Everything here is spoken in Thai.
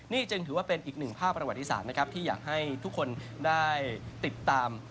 นี่จึงถือว่าเป็นอีกหนึ่งภาพประวัติศาสตร์นะครับที่อยากให้ทุกคนได้ติดตาม